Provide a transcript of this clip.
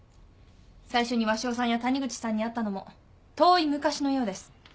最初に鷲尾さんや谷口さんに会ったのも遠い昔のようです。